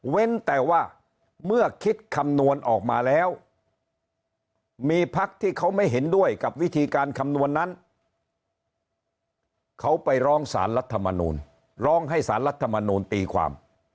แต่ว่าเมื่อคิดคำนวณออกมาแล้วมีพักที่เขาไม่เห็นด้วยกับวิธีการคำนวณนั้นเขาไปร้องสารรัฐมนูลร้องให้สารรัฐมนูลตีความ